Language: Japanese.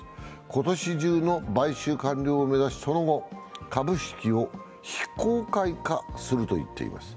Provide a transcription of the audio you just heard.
今年中の買収完了を目指し、その後株式を非公開化すると言っています。